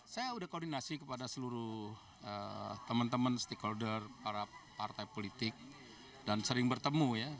saya sudah koordinasi kepada seluruh teman teman stakeholder para partai politik dan sering bertemu ya